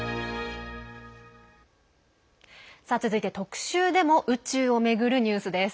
続いて特集でも宇宙を巡るニュースです。